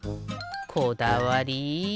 こだわり！